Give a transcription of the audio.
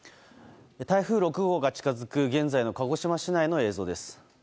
台風６号が近づく現在の鹿児島市内の映像です。